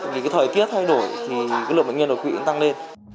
vì thời tiết thay đổi lượng bệnh nhân độc quỷ tăng lên